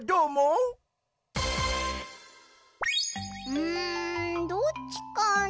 うんどっちかな？